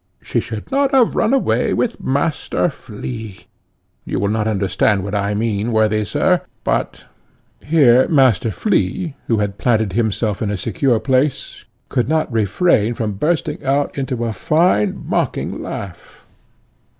She should not have run away with Master Flea. You will not understand what I mean, worthy sir, but " Here Master Flea, who had planted himself in a secure place, could not refrain from bursting out into a fine mocking laugh.